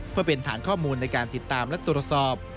เพื่อเป็นฐานข้อมูลในการติดตามและตรวจสอบ